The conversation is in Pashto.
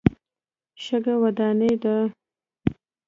شګه وداني ده.